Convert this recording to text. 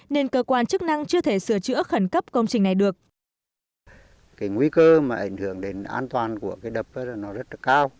nên cơ quan chức năng chưa thể xử lý đắp bồi thêm đất đá do sạt lở